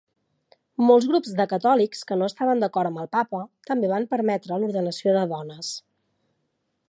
Molts grups de catòlics que no estaven d'acord amb el Papa també van permetre l'ordenació de dones.